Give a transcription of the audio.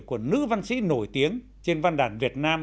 của nữ văn sĩ nổi tiếng trên văn đàn việt nam